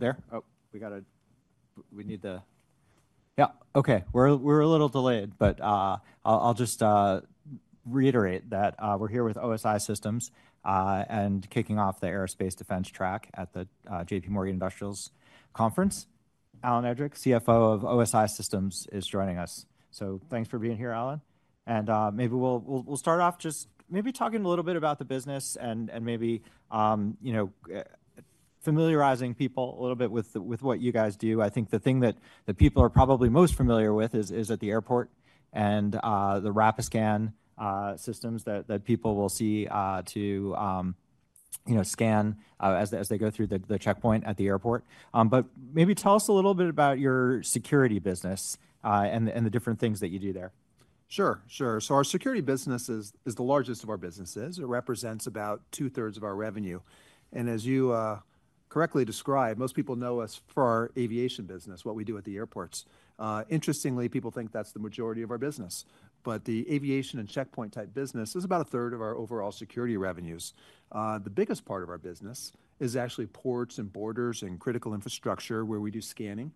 There? Oh, we got a—we need the—yeah, okay. We're a little delayed, but I'll just reiterate that we're here with OSI Systems and kicking off the Aerospace Defense Track at the JPMorgan Industrials Conference. Alan Edrick, CFO of OSI Systems, is joining us. Thanks for being here, Alan. Maybe we'll start off just maybe talking a little bit about the business and maybe familiarizing people a little bit with what you guys do. I think the thing that people are probably most familiar with is at the airport and the Rapiscan Systems that people will see to scan as they go through the checkpoint at the airport. Maybe tell us a little bit about your security business and the different things that you do there. Sure, sure. Our security business is the largest of our businesses. It represents about two-thirds of our revenue. As you correctly describe, most people know us for our aviation business, what we do at the airports. Interestingly, people think that's the majority of our business. The aviation and checkpoint-type business is about a third of our overall security revenues. The biggest part of our business is actually ports and borders and critical infrastructure where we do scanning.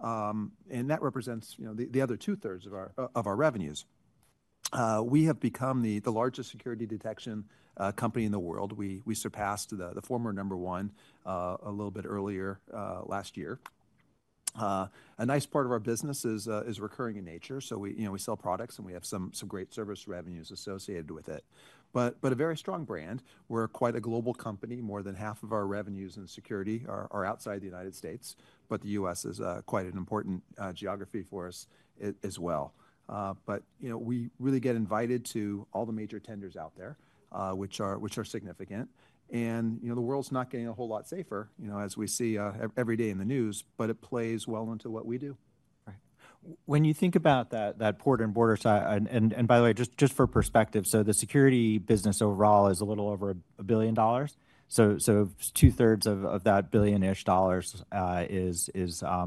That represents the other two-thirds of our revenues. We have become the largest security detection company in the world. We surpassed the former number one a little bit earlier last year. A nice part of our business is recurring in nature. We sell products, and we have some great service revenues associated with it. A very strong brand. We're quite a global company. More than half of our revenues in security are outside the U.S. The U.S. is quite an important geography for us as well. We really get invited to all the major tenders out there, which are significant. The world's not getting a whole lot safer as we see every day in the news, but it plays well into what we do. Right. When you think about that port and border side—and by the way, just for perspective, the security business overall is a little over $1 billion. Two-thirds of that billion-ish dollars is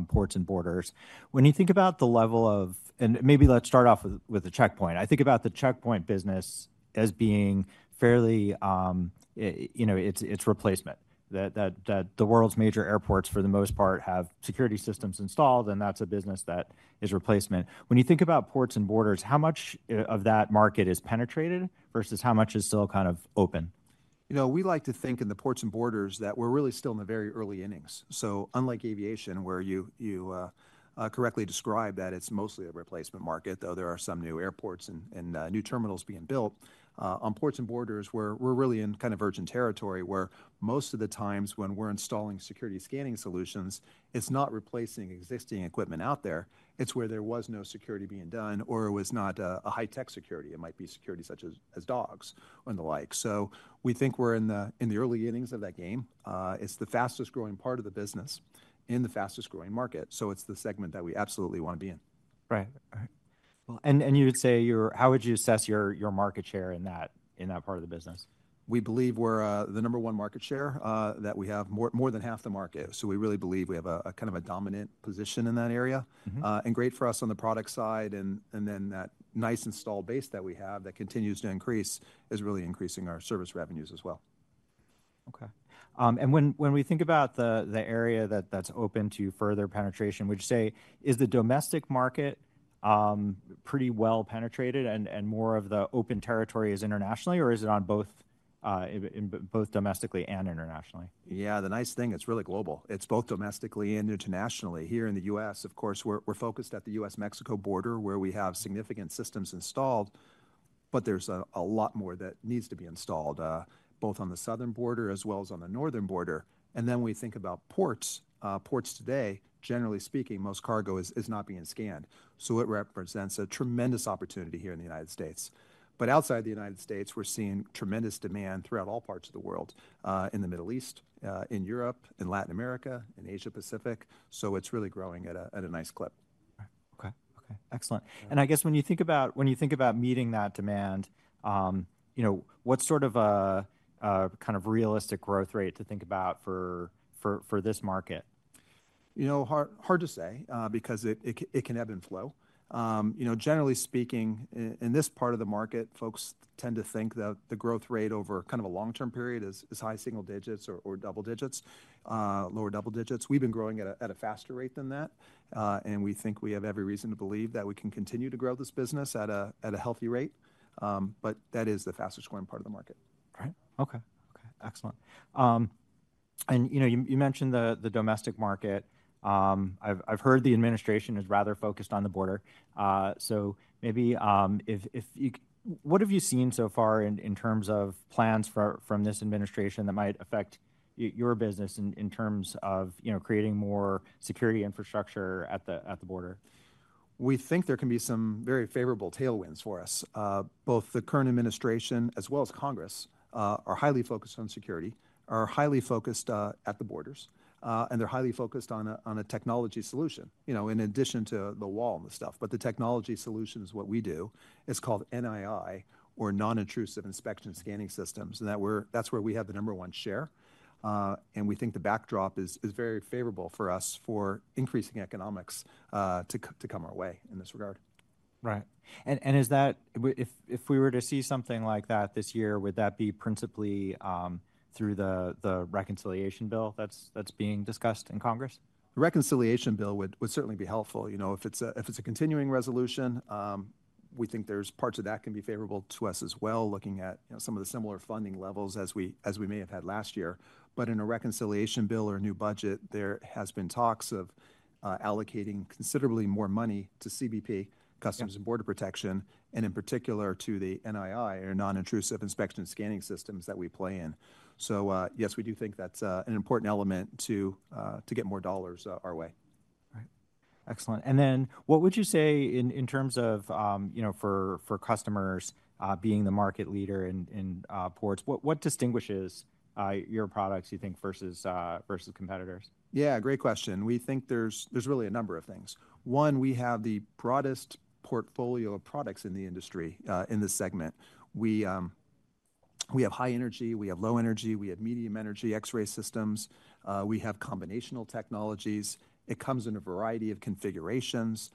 ports and borders. When you think about the level of—and maybe let's start off with the checkpoint. I think about the checkpoint business as being fairly its replacement. The world's major airports, for the most part, have security systems installed, and that's a business that is replacement. When you think about ports and borders, how much of that market is penetrated versus how much is still kind of open? You know, we like to think in the ports and borders that we're really still in the very early innings. Unlike aviation, where you correctly describe that it's mostly a replacement market, though there are some new airports and new terminals being built, on ports and borders, we're really in kind of virgin territory where most of the times when we're installing security scanning solutions, it's not replacing existing equipment out there. It's where there was no security being done or it was not a high-tech security. It might be security such as dogs and the like. We think we're in the early innings of that game. It's the fastest growing part of the business in the fastest growing market. It's the segment that we absolutely want to be in. Right. You would say your—how would you assess your market share in that part of the business? We believe we're the number one market share that we have, more than half the market. We really believe we have a kind of a dominant position in that area. Great for us on the product side. That nice installed base that we have that continues to increase is really increasing our service revenues as well. Okay. When we think about the area that's open to further penetration, would you say is the domestic market pretty well penetrated and more of the open territory is internationally, or is it on both domestically and internationally? Yeah, the nice thing, it's really global. It's both domestically and internationally. Here in the U.S., of course, we're focused at the U.S.-Mexico border where we have significant systems installed, but there's a lot more that needs to be installed both on the southern border as well as on the northern border. We think about ports. Ports today, generally speaking, most cargo is not being scanned. It represents a tremendous opportunity here in the United States. Outside the United States, we're seeing tremendous demand throughout all parts of the world, in the Middle East, in Europe, in Latin America, in Asia-Pacific. It's really growing at a nice clip. Okay, okay. Excellent. I guess when you think about meeting that demand, what's sort of a kind of realistic growth rate to think about for this market? You know, hard to say because it can ebb and flow. Generally speaking, in this part of the market, folks tend to think that the growth rate over kind of a long-term period is high single digits or double digits, lower double digits. We've been growing at a faster rate than that. We think we have every reason to believe that we can continue to grow this business at a healthy rate. That is the fastest growing part of the market. Right. Okay, okay. Excellent. You mentioned the domestic market. I've heard the administration is rather focused on the border. Maybe if you—what have you seen so far in terms of plans from this administration that might affect your business in terms of creating more security infrastructure at the border? We think there can be some very favorable tailwinds for us. Both the current administration as well as Congress are highly focused on security, are highly focused at the borders, and they're highly focused on a technology solution in addition to the wall and the stuff. The technology solution is what we do. It's called NII or Non-Intrusive Inspection Scanning Systems, and that's where we have the number one share. We think the backdrop is very favorable for us for increasing economics to come our way in this regard. Right. If we were to see something like that this year, would that be principally through the reconciliation bill that's being discussed in Congress? The reconciliation bill would certainly be helpful. If it's a continuing resolution, we think there are parts of that that can be favorable to us as well, looking at some of the similar funding levels as we may have had last year. In a reconciliation bill or a new budget, there have been talks of allocating considerably more money to CBP, Customs and Border Protection, and in particular to the NII or Non-Intrusive Inspection Scanning Systems that we play in. Yes, we do think that's an important element to get more dollars our way. Right. Excellent. What would you say in terms of for customers being the market leader in ports, what distinguishes your products, you think, versus competitors? Yeah, great question. We think there's really a number of things. One, we have the broadest portfolio of products in the industry in this segment. We have high energy. We have low energy. We have medium energy X-ray systems. We have combinational technologies. It comes in a variety of configurations.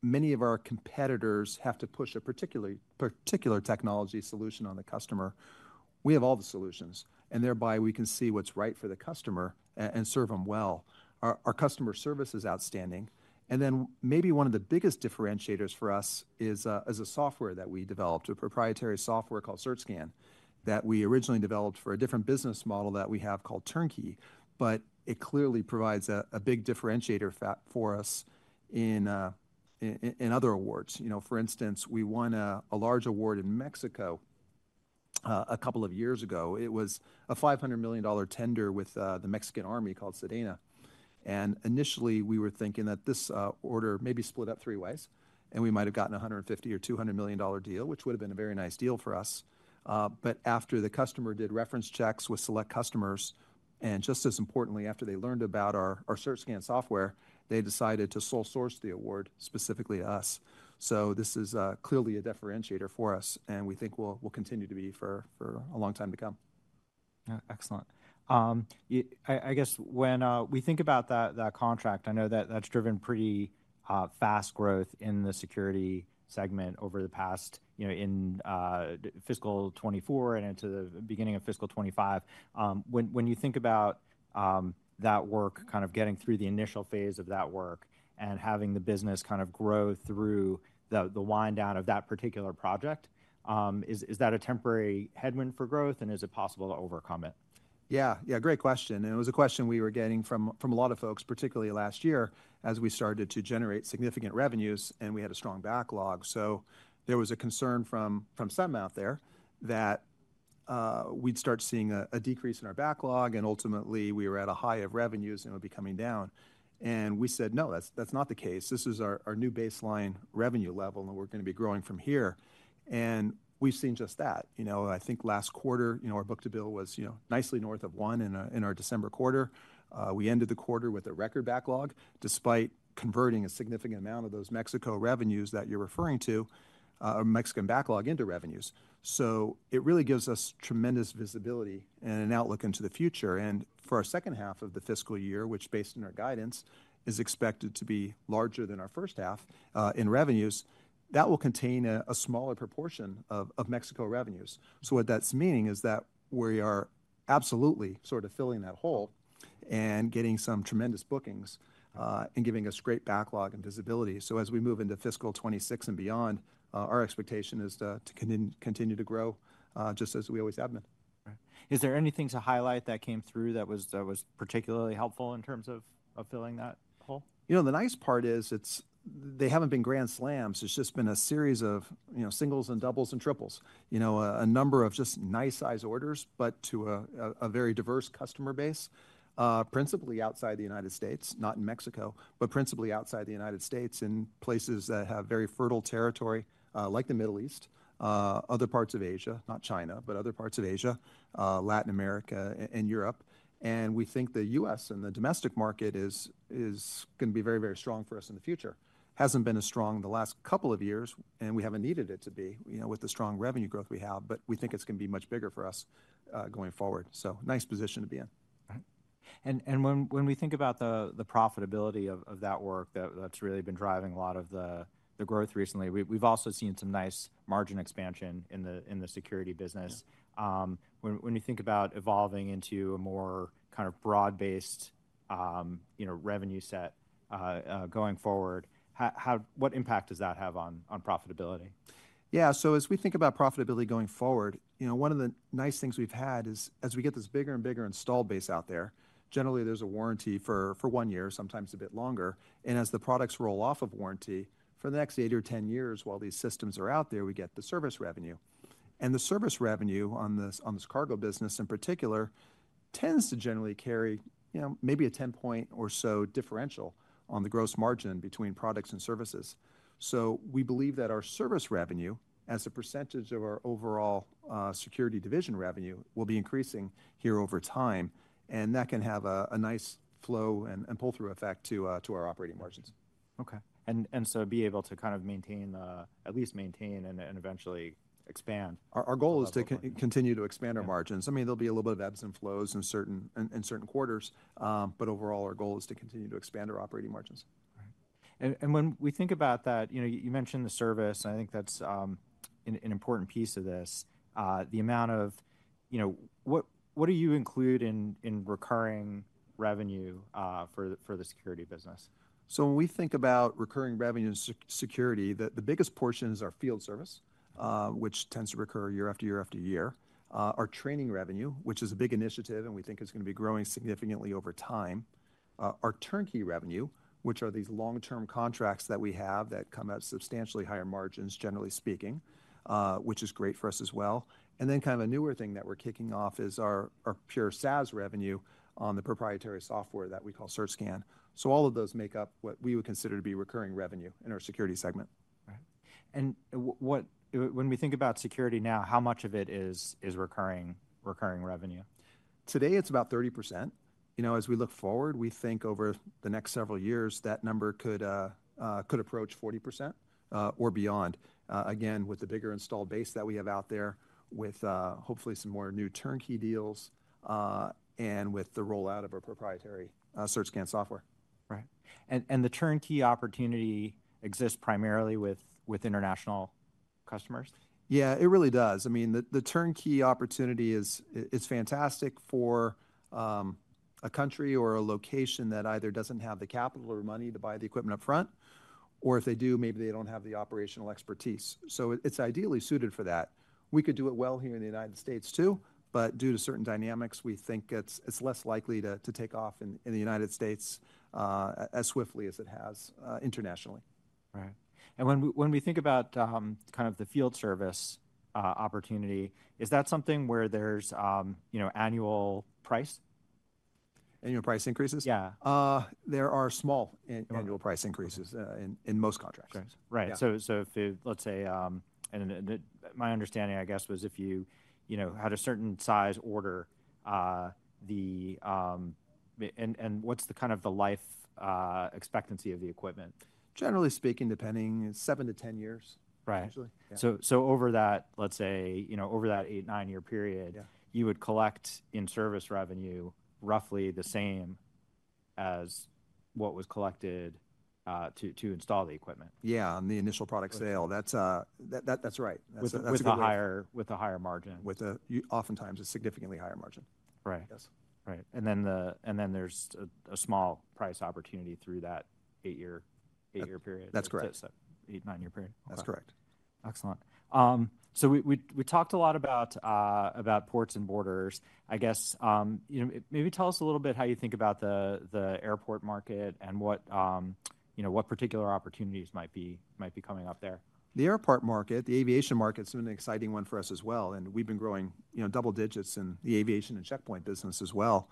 Many of our competitors have to push a particular technology solution on the customer. We have all the solutions, and thereby we can see what's right for the customer and serve them well. Our customer service is outstanding. Maybe one of the biggest differentiators for us is a software that we developed, a proprietary software called CertScan that we originally developed for a different business model that we have called Turnkey. It clearly provides a big differentiator for us in other awards. For instance, we won a large award in Mexico a couple of years ago. It was a $500 million tender with the Mexican Army called Sedena. Initially, we were thinking that this order may be split up three ways, and we might have gotten a $150 or $200 million deal, which would have been a very nice deal for us. After the customer did reference checks with select customers, and just as importantly, after they learned about our Search Scan software, they decided to sole source the award specifically to us. This is clearly a differentiator for us, and we think will continue to be for a long time to come. Excellent. I guess when we think about that contract, I know that that's driven pretty fast growth in the security segment over the past in fiscal 2024 and into the beginning of fiscal 2025. When you think about that work, kind of getting through the initial phase of that work and having the business kind of grow through the wind down of that particular project, is that a temporary headwind for growth, and is it possible to overcome it? Yeah, yeah, great question. It was a question we were getting from a lot of folks, particularly last year as we started to generate significant revenues and we had a strong backlog. There was a concern from some out there that we'd start seeing a decrease in our backlog, and ultimately we were at a high of revenues and it would be coming down. We said, no, that's not the case. This is our new baseline revenue level, and we're going to be growing from here. We've seen just that. I think last quarter, our book-to-bill was nicely north of one in our December quarter. We ended the quarter with a record backlog despite converting a significant amount of those Mexico revenues that you're referring to, Mexican backlog into revenues. It really gives us tremendous visibility and an outlook into the future. For our second half of the fiscal year, which based on our guidance is expected to be larger than our first half in revenues, that will contain a smaller proportion of Mexico revenues. What that is meaning is that we are absolutely sort of filling that hole and getting some tremendous bookings and giving us great backlog and visibility. As we move into fiscal 2026 and beyond, our expectation is to continue to grow just as we always have been. Is there anything to highlight that came through that was particularly helpful in terms of filling that hole? You know, the nice part is they haven't been grand slams. It's just been a series of singles and doubles and triples, a number of just nice size orders, but to a very diverse customer base, principally outside the U.S., not in Mexico, but principally outside the U.S. in places that have very fertile territory like the Middle East, other parts of Asia, not China, but other parts of Asia, Latin America and Europe. We think the U.S. and the domestic market is going to be very, very strong for us in the future. Hasn't been as strong the last couple of years, and we haven't needed it to be with the strong revenue growth we have, but we think it's going to be much bigger for us going forward. Nice position to be in. Right. When we think about the profitability of that work that's really been driving a lot of the growth recently, we've also seen some nice margin expansion in the security business. When you think about evolving into a more kind of broad-based revenue set going forward, what impact does that have on profitability? Yeah, as we think about profitability going forward, one of the nice things we've had is as we get this bigger and bigger install base out there, generally there's a warranty for one year, sometimes a bit longer. As the products roll off of warranty, for the next eight or ten years while these systems are out there, we get the service revenue. The service revenue on this cargo business in particular tends to generally carry maybe a 10-point or so differential on the gross margin between products and services. We believe that our service revenue as a percentage of our overall Security division revenue will be increasing here over time, and that can have a nice flow and pull-through effect to our operating margins. Okay. To be able to kind of maintain, at least maintain and eventually expand. Our goal is to continue to expand our margins. I mean, there'll be a little bit of ebbs and flows in certain quarters, but overall our goal is to continue to expand our operating margins. Right. When we think about that, you mentioned the service, and I think that's an important piece of this, the amount of what do you include in recurring revenue for the security business? When we think about recurring revenue in security, the biggest portions are field service, which tends to recur year after year after year, our training revenue, which is a big initiative and we think is going to be growing significantly over time, our turnkey revenue, which are these long-term contracts that we have that come at substantially higher margins, generally speaking, which is great for us as well. Then kind of a newer thing that we're kicking off is our pure SaaS revenue on the proprietary software that we call Search Scan. All of those make up what we would consider to be recurring revenue in our security segment. Right. When we think about security now, how much of it is recurring revenue? Today it's about 30%. As we look forward, we think over the next several years that number could approach 40% or beyond, again, with the bigger installed base that we have out there with hopefully some more new turnkey deals and with the rollout of our proprietary Search Scan software. Right. The turnkey opportunity exists primarily with international customers? Yeah, it really does. I mean, the turnkey opportunity is fantastic for a country or a location that either doesn't have the capital or money to buy the equipment upfront, or if they do, maybe they don't have the operational expertise. So it's ideally suited for that. We could do it well here in the United States too, but due to certain dynamics, we think it's less likely to take off in the United States as swiftly as it has internationally. Right. When we think about kind of the field service opportunity, is that something where there's annual price? Annual price increases? Yeah. There are small annual price increases in most contracts. Right. Let's say, and my understanding, I guess, was if you had a certain size order, what's the kind of life expectancy of the equipment? Generally speaking, depending, seven to ten years, usually. Over that eight, nine-year period, you would collect in service revenue roughly the same as what was collected to install the equipment. Yeah, on the initial product sale. That's right. With a higher margin. With oftentimes a significantly higher margin. Right. Right. And then there's a small price opportunity through that eight-year period. That's correct. Eight, nine-year period. That's correct. Excellent. We talked a lot about ports and borders. I guess maybe tell us a little bit how you think about the airport market and what particular opportunities might be coming up there. The airport market, the aviation market's been an exciting one for us as well. We've been growing double digits in the aviation and checkpoint business as well.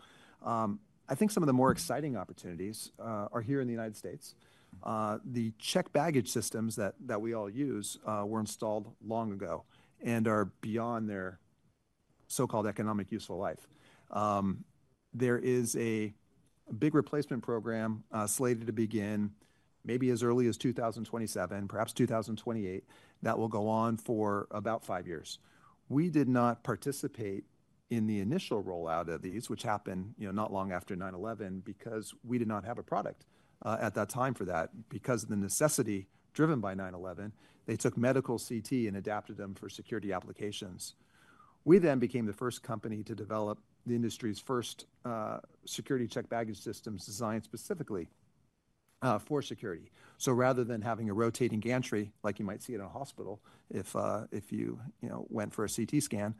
I think some of the more exciting opportunities are here in the United States. The checked baggage systems that we all use were installed long ago and are beyond their so-called economic use for life. There is a big replacement program slated to begin maybe as early as 2027, perhaps 2028, that will go on for about five years. We did not participate in the initial rollout of these, which happened not long after 9/11 because we did not have a product at that time for that. Because of the necessity driven by 9/11, they took medical CT and adapted them for security applications. We then became the first company to develop the industry's first security checked baggage systems designed specifically for security. Rather than having a rotating gantry like you might see in a hospital if you went for a CT scan,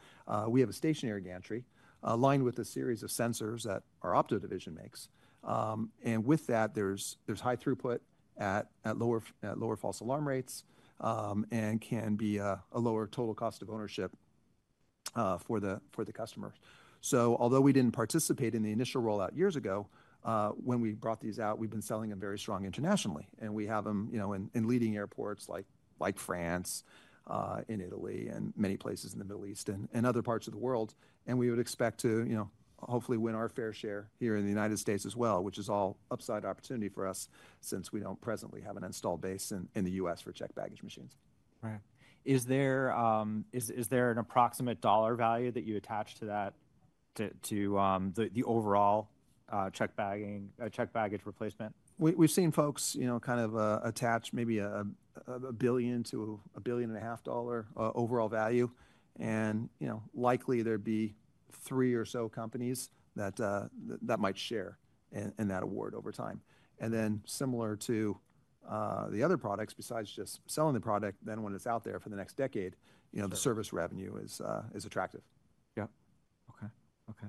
we have a stationary gantry aligned with a series of sensors that our Optoelectronics division makes. With that, there's high throughput at lower false alarm rates and can be a lower total cost of ownership for the customers. Although we didn't participate in the initial rollout years ago, when we brought these out, we've been selling them very strong internationally. We have them in leading airports like France, in Italy, and many places in the Middle East and other parts of the world. We would expect to hopefully win our fair share here in the U.S. as well, which is all upside opportunity for us since we do not presently have an installed base in the U.S. for checked baggage machines. Right. Is there an approximate dollar value that you attach to that, to the overall checked baggage replacement? We've seen folks kind of attach maybe $1 billion to $1.5 billion overall value. Likely there'd be three or so companies that might share in that award over time. Similar to the other products, besides just selling the product, when it's out there for the next decade, the service revenue is attractive. Yeah. Okay. Okay.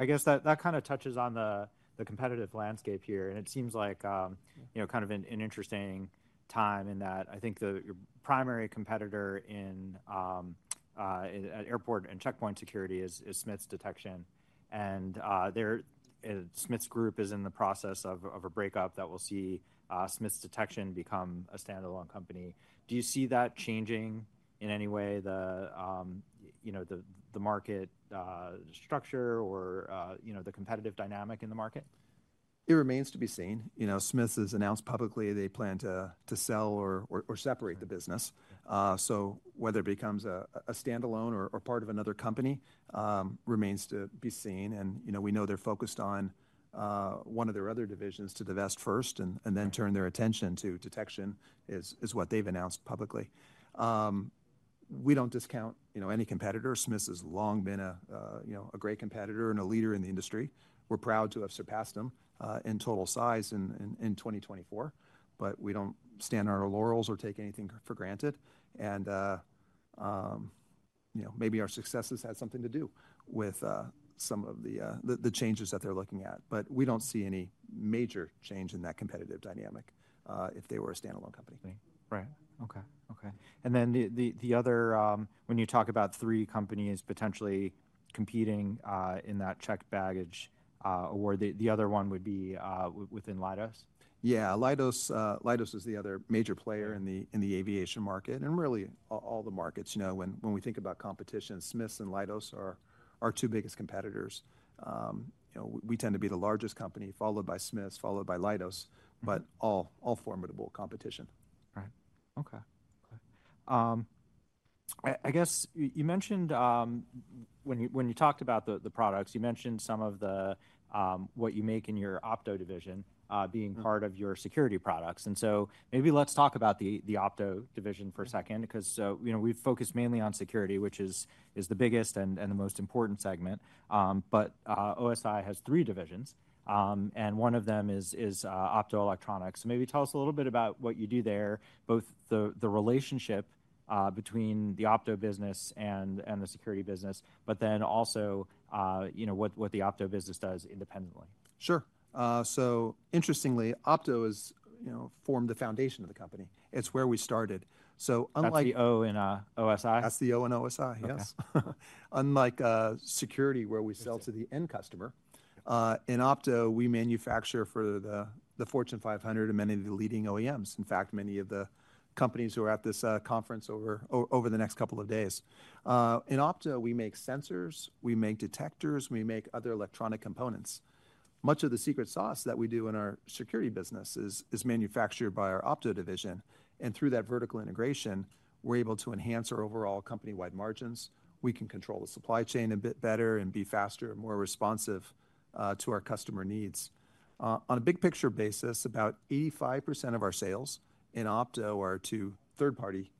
I guess that kind of touches on the competitive landscape here. It seems like kind of an interesting time in that I think the primary competitor in airport and checkpoint security is Smiths Detection. Smiths Group is in the process of a breakup that will see Smiths Detection become a standalone company. Do you see that changing in any way, the market structure or the competitive dynamic in the market? It remains to be seen. Smiths has announced publicly they plan to sell or separate the business. Whether it becomes a standalone or part of another company remains to be seen. We know they're focused on one of their other divisions to divest first and then turn their attention to Detection, which is what they've announced publicly. We don't discount any competitor. Smiths has long been a great competitor and a leader in the industry. We're proud to have surpassed them in total size in 2024, but we don't stand on our laurels or take anything for granted. Maybe our success has had something to do with some of the changes that they're looking at, but we don't see any major change in that competitive dynamic if they were a standalone company. Right. Okay. Okay. When you talk about three companies potentially competing in that checked baggage award, the other one would be within Leidos? Yeah, Leidos is the other major player in the aviation market and really all the markets. When we think about competition, Smiths and Leidos are our two biggest competitors. We tend to be the largest company followed by Smiths, followed by Leidos, but all formidable competition. Right. Okay. Okay. I guess you mentioned when you talked about the products, you mentioned some of what you make in your optical division being part of your security products. Maybe let's talk about the optical division for a second because we've focused mainly on security, which is the biggest and the most important segment. OSI has three divisions, and one of them is Optoelectronics. Maybe tell us a little bit about what you do there, both the relationship between the optical business and the security business, but then also what the optical business does independently. Sure. Interestingly, optical has formed the foundation of the company. It's where we started. OSI? OSI, yes. Unlike security where we sell to the end customer, in optical, we manufacture for the Fortune 500 and many of the leading OEMs. In fact, many of the companies who are at this conference over the next couple of days. In optical, we make sensors, we make detectors, we make other electronic components. Much of the secret sauce that we do in our security business is manufactured by our optical division. Through that vertical integration, we're able to enhance our overall company-wide margins. We can control the supply chain a bit better and be faster and more responsive to our customer needs. On a big picture basis, about 85% of our sales in optical are to third-party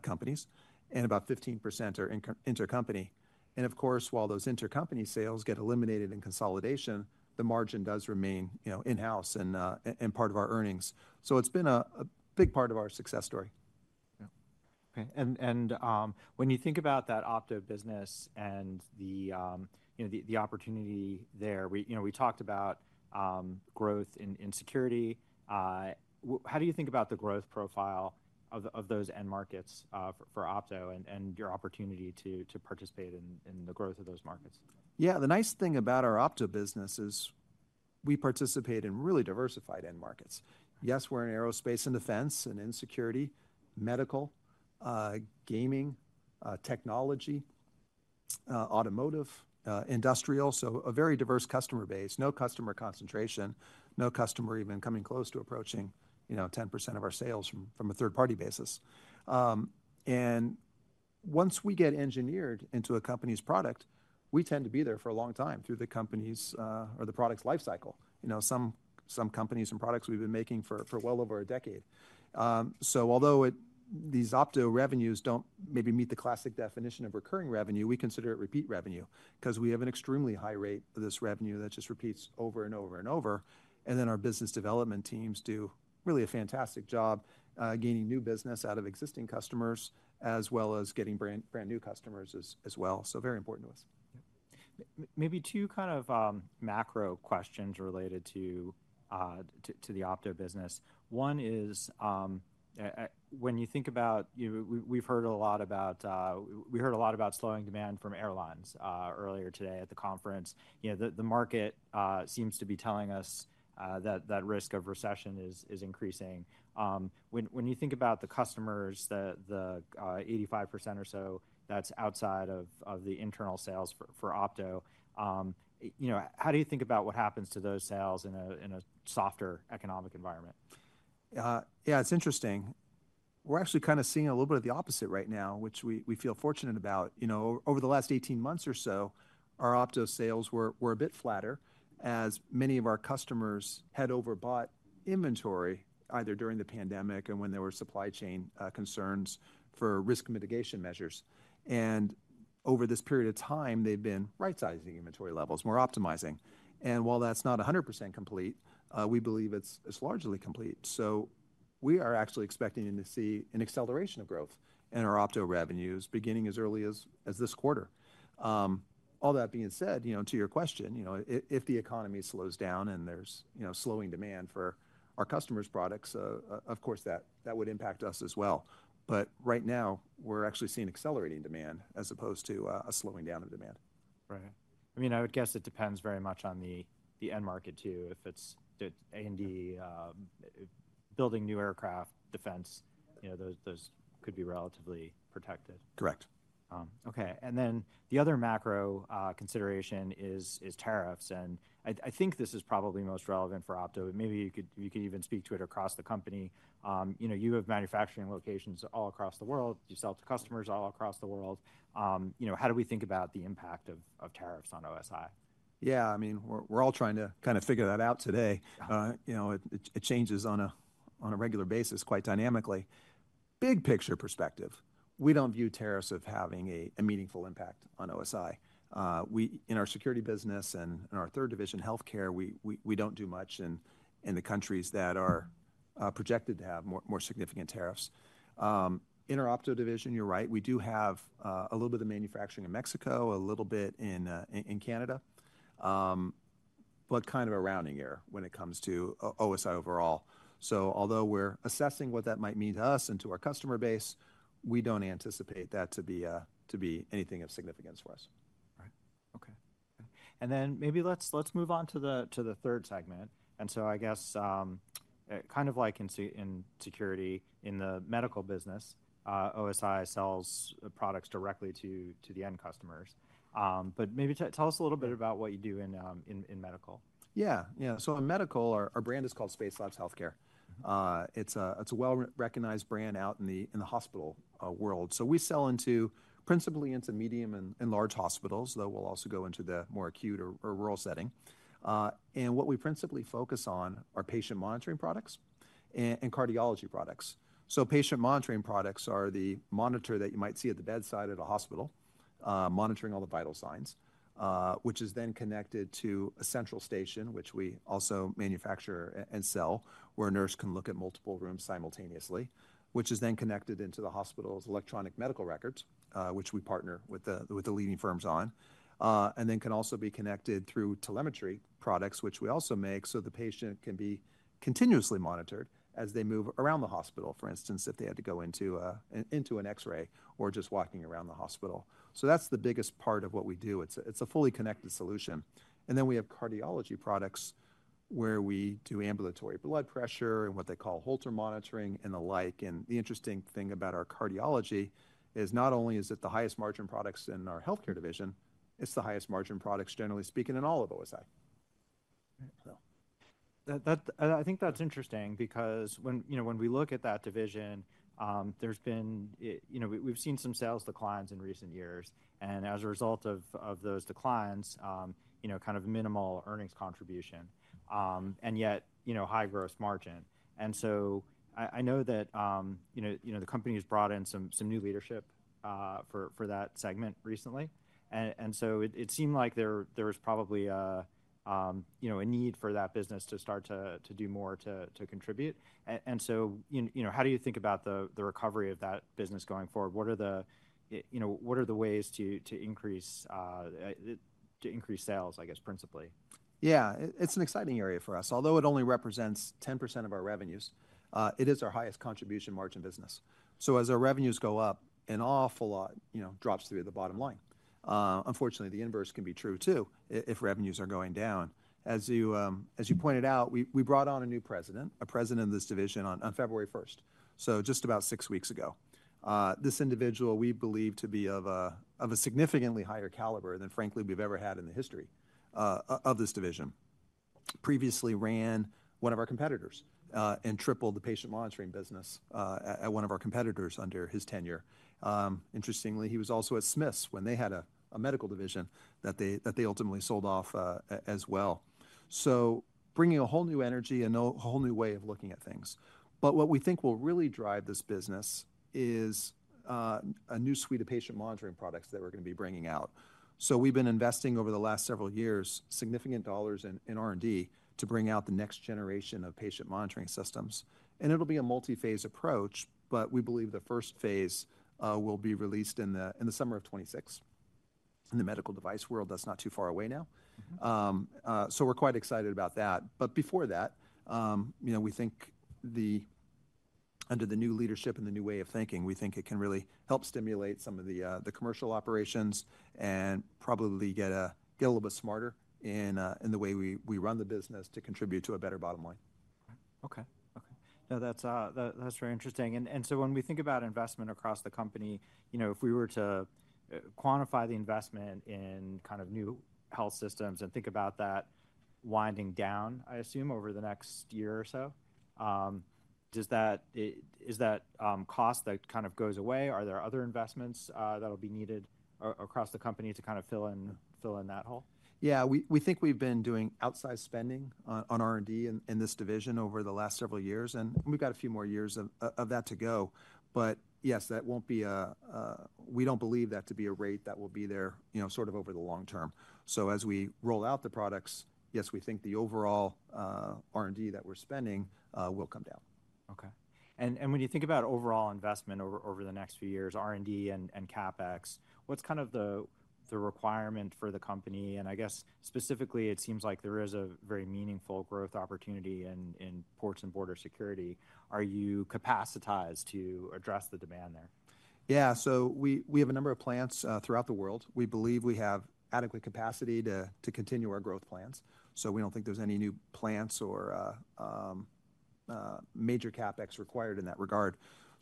companies and about 15% are inter-company. Of course, while those inter-company sales get eliminated in consolidation, the margin does remain in-house and part of our earnings. It's been a big part of our success story. Yeah. Okay. When you think about that optical business and the opportunity there, we talked about growth in security. How do you think about the growth profile of those end markets for optical and your opportunity to participate in the growth of those markets? Yeah, the nice thing about our optical business is we participate in really diversified end markets. Yes, we're in aerospace and defense and in security, medical, gaming, technology, automotive, industrial. A very diverse customer base, no customer concentration, no customer even coming close to approaching 10% of our sales from a third-party basis. Once we get engineered into a company's product, we tend to be there for a long time through the company's or the product's lifecycle. Some companies and products we've been making for well over a decade. Although these optical revenues do not maybe meet the classic definition of recurring revenue, we consider it repeat revenue because we have an extremely high rate of this revenue that just repeats over and over and over. Our business development teams do really a fantastic job gaining new business out of existing customers as well as getting brand new customers as well. So very important to us. Maybe two kind of macro questions related to the optical business. One is when you think about we've heard a lot about we heard a lot about slowing demand from airlines earlier today at the conference. The market seems to be telling us that risk of recession is increasing. When you think about the customers, the 85% or so that's outside of the internal sales for optical, how do you think about what happens to those sales in a softer economic environment? Yeah, it's interesting. We're actually kind of seeing a little bit of the opposite right now, which we feel fortunate about. Over the last 18 months or so, our optical sales were a bit flatter as many of our customers had overbought inventory either during the pandemic and when there were supply chain concerns for risk mitigation measures. Over this period of time, they've been right-sizing inventory levels, more optimizing. While that's not 100% complete, we believe it's largely complete. We are actually expecting to see an acceleration of growth in our optical revenues beginning as early as this quarter. All that being said, to your question, if the economy slows down and there's slowing demand for our customers' products, of course, that would impact us as well. Right now, we're actually seeing accelerating demand as opposed to a slowing down of demand. Right. I mean, I would guess it depends very much on the end market too. If it's A&D building new aircraft, defense, those could be relatively protected. Correct. Okay. The other macro consideration is tariffs. I think this is probably most relevant for optical. Maybe you could even speak to it across the company. You have manufacturing locations all across the world. You sell to customers all across the world. How do we think about the impact of tariffs on OSI? Yeah, I mean, we're all trying to kind of figure that out today. It changes on a regular basis quite dynamically. Big picture perspective, we don't view tariffs as having a meaningful impact on OSI. In our security business and in our third division healthcare, we don't do much in the countries that are projected to have more significant tariffs. In our optical division, you're right, we do have a little bit of manufacturing in Mexico, a little bit in Canada, but kind of a rounding error when it comes to OSI overall. Although we're assessing what that might mean to us and to our customer base, we don't anticipate that to be anything of significance for us. Right. Okay. Maybe let's move on to the third segment. I guess kind of like in security, in the medical business, OSI sells products directly to the end customers. Maybe tell us a little bit about what you do in medical. Yeah. Yeah. In medical, our brand is called Spacelabs Healthcare. It's a well-recognized brand out in the hospital world. We sell principally into medium and large hospitals, though we'll also go into the more acute or rural setting. What we principally focus on are patient monitoring products and cardiology products. Patient monitoring products are the monitor that you might see at the bedside at a hospital monitoring all the vital signs, which is then connected to a central station, which we also manufacture and sell, where a nurse can look at multiple rooms simultaneously, which is then connected into the hospital's electronic medical records, which we partner with the leading firms on, and then can also be connected through telemetry products, which we also make so the patient can be continuously monitored as they move around the hospital, for instance, if they had to go into an X-ray or just walking around the hospital. That is the biggest part of what we do. It is a fully connected solution. We have cardiology products where we do ambulatory blood pressure and what they call Holter monitoring and the like. The interesting thing about our cardiology is not only is it the highest margin products in our Healthcare division, it's the highest margin products, generally speaking, in all of OSI. I think that's interesting because when we look at that division, we've seen some sales declines in recent years. As a result of those declines, kind of minimal earnings contribution and yet high growth margin. I know that the company has brought in some new leadership for that segment recently. It seemed like there was probably a need for that business to start to do more to contribute. How do you think about the recovery of that business going forward? What are the ways to increase sales, I guess, principally? Yeah, it's an exciting area for us. Although it only represents 10% of our revenues, it is our highest contribution margin business. As our revenues go up, an awful lot drops through the bottom line. Unfortunately, the inverse can be true too if revenues are going down. As you pointed out, we brought on a new President, a President of this division on February 1, so just about six weeks ago. This individual, we believe to be of a significantly higher caliber than frankly we've ever had in the history of this division, previously ran one of our competitors and tripled the patient monitoring business at one of our competitors under his tenure. Interestingly, he was also at Smiths when they had a medical division that they ultimately sold off as well. Bringing a whole new energy and a whole new way of looking at things. What we think will really drive this business is a new suite of patient monitoring products that we're going to be bringing out. We have been investing over the last several years significant dollars in R&D to bring out the next generation of patient monitoring systems. It will be a multi-phase approach, but we believe the first phase will be released in the summer of 2026. In the medical device world, that is not too far away now. We are quite excited about that. Before that, we think under the new leadership and the new way of thinking, it can really help stimulate some of the commercial operations and probably get a little bit smarter in the way we run the business to contribute to a better bottom line. Okay. Okay. No, that's very interesting. When we think about investment across the company, if we were to quantify the investment in kind of new health systems and think about that winding down, I assume, over the next year or so, is that cost that kind of goes away? Are there other investments that'll be needed across the company to kind of fill in that hole? Yeah, we think we've been doing outside spending on R&D in this division over the last several years. We've got a few more years of that to go. Yes, that won't be a we don't believe that to be a rate that will be there sort of over the long term. As we roll out the products, yes, we think the overall R&D that we're spending will come down. Okay. When you think about overall investment over the next few years, R&D and CapEx, what's kind of the requirement for the company? I guess specifically, it seems like there is a very meaningful growth opportunity in Ports and Border Security. Are you capacitized to address the demand there? Yeah. We have a number of plants throughout the world. We believe we have adequate capacity to continue our growth plans. We do not think there is any new plants or major CapEx required in that regard.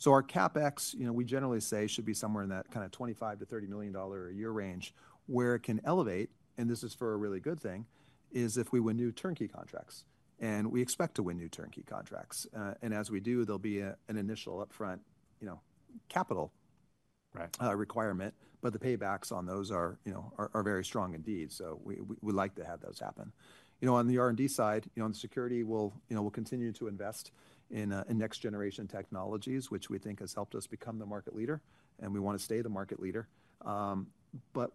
Our CapEx, we generally say, should be somewhere in that $25-$30 million a year range where it can elevate. This is for a really good thing, if we win new turnkey contracts. We expect to win new turnkey contracts. As we do, there will be an initial upfront capital requirement. The paybacks on those are very strong indeed. We would like to have those happen. On the R&D side, on the security, we will continue to invest in next-generation technologies, which we think has helped us become the market leader. We want to stay the market leader.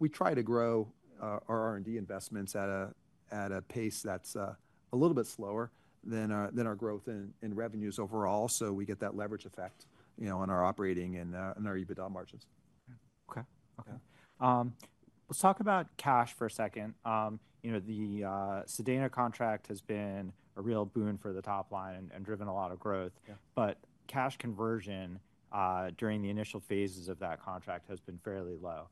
We try to grow our R&D investments at a pace that's a little bit slower than our growth in revenues overall. So we get that leverage effect on our operating and our EBITDA margins. Okay. Okay. Let's talk about cash for a second. The Sedena contract has been a real boon for the top line and driven a lot of growth. But cash conversion during the initial phases of that contract has been fairly low.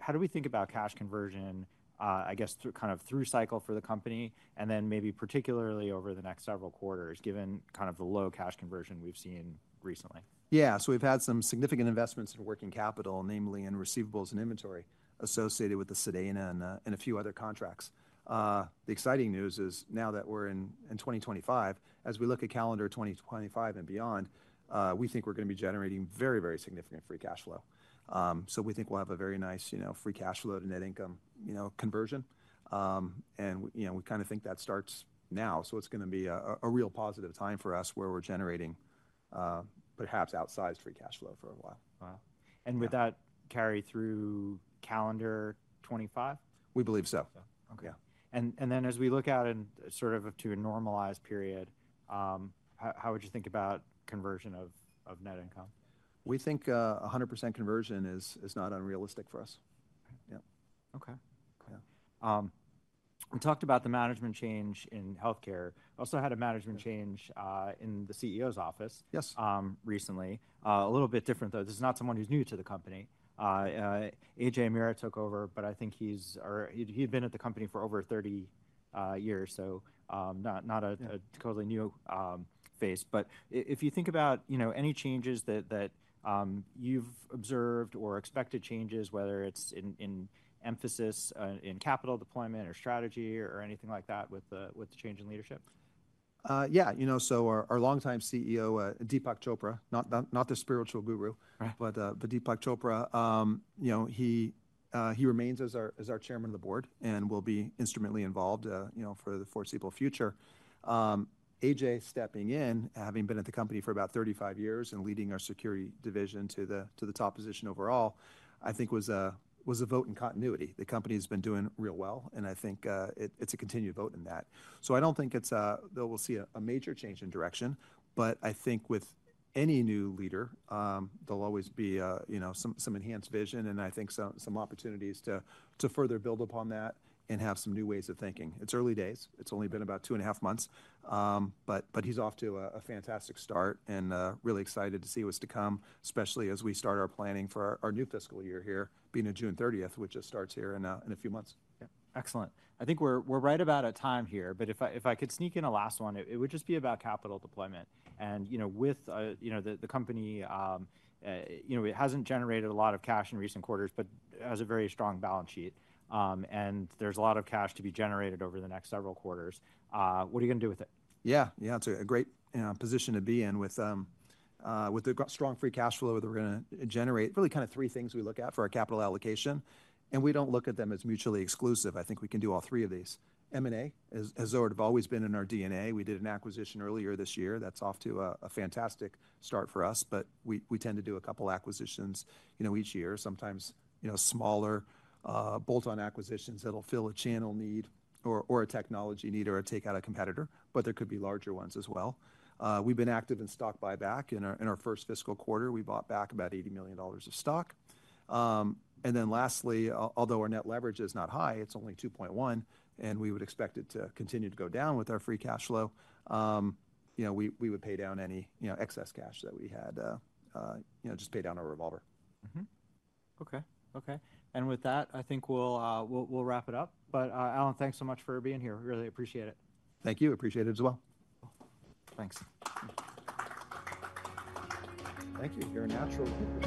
How do we think about cash conversion, I guess, kind of through cycle for the company and then maybe particularly over the next several quarters, given kind of the low cash conversion we've seen recently? Yeah. We have had some significant investments in working capital, namely in receivables and inventory associated with the Sedena and a few other contracts. The exciting news is now that we are in 2025, as we look at calendar 2025 and beyond, we think we are going to be generating very, very significant free cash flow. We think we will have a very nice free cash flow to net income conversion. We kind of think that starts now. It is going to be a real positive time for us where we are generating perhaps outsized free cash flow for a while. Wow. Would that carry through calendar 2025? We believe so. Yeah. Okay. As we look out in sort of to a normalized period, how would you think about conversion of net income? We think 100% conversion is not unrealistic for us. Yeah. Okay. Okay. We talked about the management change in Healthcare. Also had a management change in the CEO's office recently. A little bit different, though. This is not someone who's new to the company. Ajay Mehra took over, but I think he'd been at the company for over 30 years, so not a totally new face. If you think about any changes that you've observed or expected changes, whether it's in emphasis in capital deployment or strategy or anything like that with the change in leadership? Yeah. Our longtime CEO, Deepak Chopra, not the spiritual guru, but Deepak Chopra, he remains as our Chairman of the Board and will be instrumentally involved for the foreseeable future. AJ stepping in, having been at the company for about 35 years and leading our Security division to the top position overall, I think was a vote in continuity. The company has been doing real well, and I think it's a continued vote in that. I don't think it's that we'll see a major change in direction, but I think with any new leader, there'll always be some enhanced vision and I think some opportunities to further build upon that and have some new ways of thinking. It's early days. It's only been about two and a half months, but he's off to a fantastic start and really excited to see what's to come, especially as we start our planning for our new fiscal year here, being a June 30th, which just starts here in a few months. Yeah. Excellent. I think we're right about at time here, but if I could sneak in a last one, it would just be about capital deployment. With the company, it hasn't generated a lot of cash in recent quarters, but has a very strong balance sheet. There's a lot of cash to be generated over the next several quarters. What are you going to do with it? Yeah. Yeah. It's a great position to be in with the strong free cash flow that we're going to generate. Really kind of three things we look at for our capital allocation. We don't look at them as mutually exclusive. I think we can do all three of these. M&A has always been in our DNA. We did an acquisition earlier this year. That's off to a fantastic start for us, but we tend to do a couple of acquisitions each year, sometimes smaller bolt-on acquisitions that'll fill a channel need or a technology need or a takeout of competitor, but there could be larger ones as well. We've been active in stock buyback. In our first fiscal quarter, we bought back about $80 million of stock. Lastly, although our net leverage is not high, it's only 2.1, and we would expect it to continue to go down with our free cash flow. We would pay down any excess cash that we had, just pay down our revolver. Okay. Okay. With that, I think we'll wrap it up. Alan, thanks so much for being here. Really appreciate it. Thank you. Appreciate it as well. Thanks. Thank you. You're a natural people.